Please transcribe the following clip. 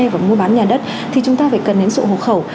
và mua bán nhà đất thì chúng ta phải cần đến sổ hộ khẩu